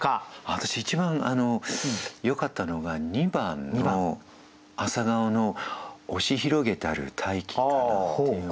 私一番よかったのが２番の「朝顔の押し広げたる大気かな」という。